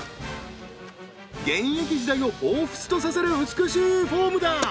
現役時代をほうふつとさせる美しいフォームだ。